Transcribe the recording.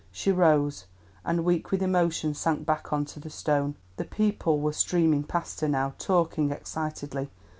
She rose, and weak with emotion sank back on to the stone. The people were streaming past her now, talking excitedly.